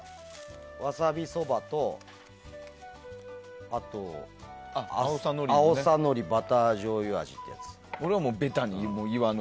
わさびそばとあと、あおさのりバター醤油味っていうやつ。